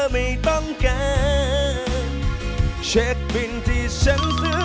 ปีจ๊กโทคครู